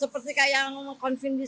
seperti kayak ngomongfu indisi